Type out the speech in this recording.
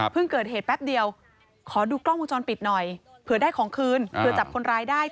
เกิดเหตุแป๊บเดียวขอดูกล้องวงจรปิดหน่อยเผื่อได้ของคืนเผื่อจับคนร้ายได้